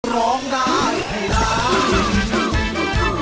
ร้องได้ให้ร้าน